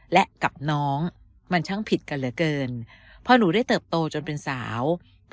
และกับน้องมันช่างผิดกันเหลือเกินพอหนูได้เติบโตจนเป็นสาว